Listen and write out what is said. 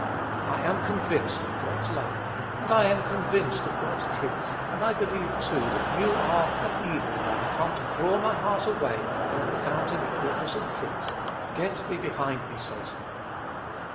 I am convinced of God's love, and I am convinced of God's truth, and I believe, too, that you are an evil one come to draw my heart away from the fountain of goodness and truth. Get thee behind me, Satan."